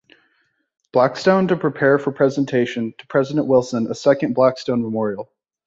Blackstone to prepare for presentation to President Wilson a second Blackstone Memorial.